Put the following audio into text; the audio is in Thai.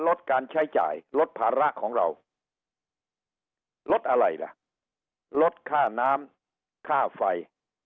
ลดการใช้จ่ายลดภาระของเราลดอะไรล่ะลดค่าน้ำค่าไฟ